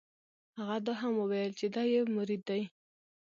هغه دا هم وویل چې دی یې مرید دی.